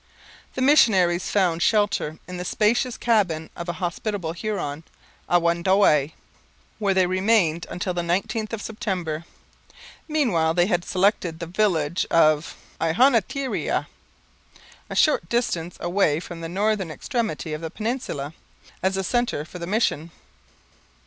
The missionaries found shelter in the spacious cabin of a hospitable Huron, Awandoay, where they remained until the 19th of September. Meanwhile they had selected the village of Ihonatiria, a short distance away near the northern extremity of the peninsula, as a centre for the mission.